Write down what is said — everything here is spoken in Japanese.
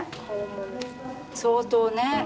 相当ね。